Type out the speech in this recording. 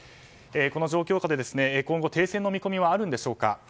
この状況下で今後、停戦の見込みはあるんでしょうか。